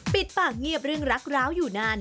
ปิดปากเงียบเรื่องรักร้าวอยู่นาน